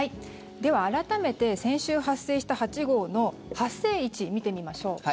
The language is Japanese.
では、改めて先週発生した８号の発生位置見てみましょう。